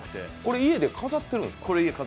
家で飾ってるんですか？